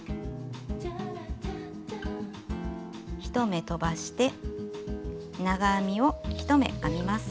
１目とばして長編みを１目編みます。